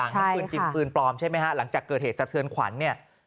ทั้งปืนจริงปืนปลอมใช่ไหมฮะหลังจากเกิดเหตุสะเทือนขวัญเนี่ย